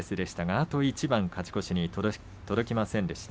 あと一番勝ち越しに届きませんでした。